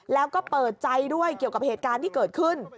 แล้วก็เปิดใจด้วยเกี่ยวกับเหตุการณ์ที่เกิดขึ้น